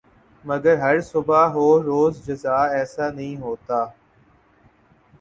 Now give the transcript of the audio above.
مگر ہر صبح ہو روز جزا ایسے نہیں ہوتا